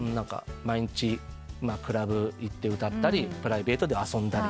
毎日クラブ行って歌ったりプライベートで遊んだり。